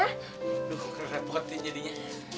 aduh kerepotin jadinya